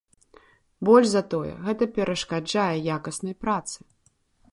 Больш за тое, гэта перашкаджае якаснай працы.